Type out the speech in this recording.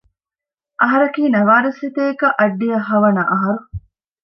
އަހަރަކީ ނަވާރަސަތޭކަ އަށްޑިހަ ހަވަނަ އަހަރު